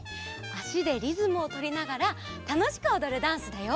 あしでリズムをとりながらたのしくおどるダンスだよ。